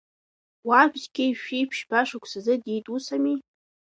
Уаб зқьи жәшәи ԥшьба шықәсазы диит, ус ами?